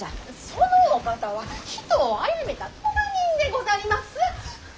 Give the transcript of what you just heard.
そのお方は人をあやめた咎人でございます！